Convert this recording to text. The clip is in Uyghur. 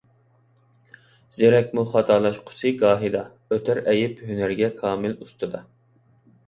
زېرەكمۇ خاتالاشقۇسى گاھىدا، ئۆتەر ئەيىب ھۈنەرگە كامىل ئۇستىدا.